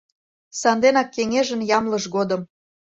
Санденак кеҥежын ямлыж годым